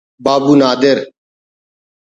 بابو نادر